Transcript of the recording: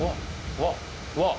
うわっうわっ！